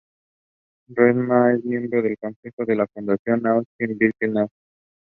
The third stanza prays for wisdom given to leaders.